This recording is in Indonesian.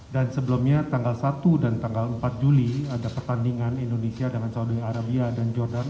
dan sebelumnya tanggal satu dan tanggal empat juli ada pertandingan indonesia dengan saudi arabia dan jordan